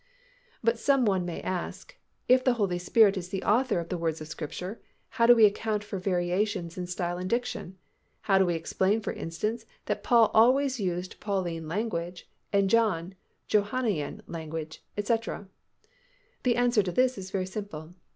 But some one may ask, "If the Holy Spirit is the author of the words of Scripture, how do we account for variations in style and diction? How do we explain for instance that Paul always used Pauline language and John Johannean language, etc.?" The answer to this is very simple.